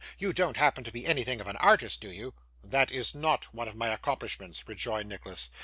You don't happen to be anything of an artist, do you?' 'That is not one of my accomplishments,' rejoined Nicholas.